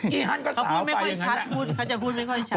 เขาคุยไม่ใยชัด